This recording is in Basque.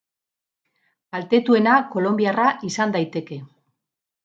Kaltetuena kolonbiarra izan daiteke.